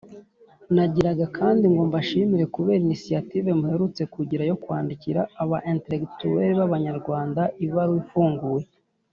Nagiraga kandi ngo mbashimire kubera initiative muherutse kugira yo kwandikira Aba-Intellectuels b'abanyarwanda ibaruwa ifunguye.